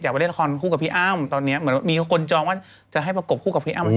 ไปเล่นละครคู่กับพี่อ้ำตอนนี้เหมือนมีคนจองว่าจะให้ประกบคู่กับพี่อ้ำ